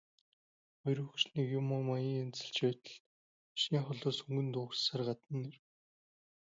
Хоёр хөгшнийг юм хумаа ийн янзалж байтал машин холоос хүнгэнэн дуугарсаар гадна нь ирэв.